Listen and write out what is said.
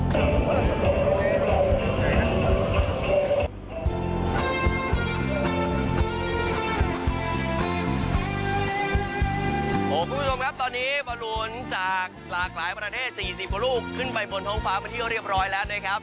คุณผู้ชมครับตอนนี้มาลุ้นจากหลากหลายประเทศ๔๐กว่าลูกขึ้นไปบนท้องฟ้ามาที่เรียบร้อยแล้วนะครับ